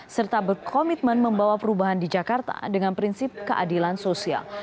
serta berkomitmen membawa perubahan di jakarta dengan prinsip keadilan sosial